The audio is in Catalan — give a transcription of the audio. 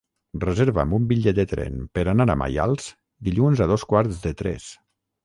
Reserva'm un bitllet de tren per anar a Maials dilluns a dos quarts de tres.